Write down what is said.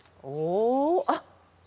あっ！